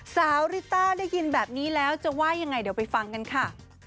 ริต้าได้ยินแบบนี้แล้วจะว่ายังไงเดี๋ยวไปฟังกันค่ะ